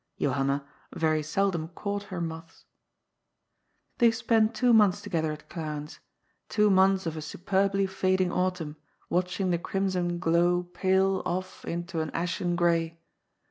Johanna very seldom caught her moths. They spent two months together at Clarens, two months of a superbly fading autumn, watching the crimson glow 38 GOD'S POOL. pale off into an ashen gray.